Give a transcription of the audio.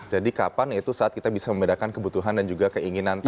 jadi kapan itu saat kita bisa membedakan kebutuhan dan juga keinginan tadi